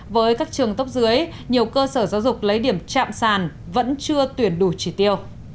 với các trường tốc dưới nhiều cơ sở giáo dục lấy điểm chạm sàn vẫn chưa tuyển đủ trị tiêu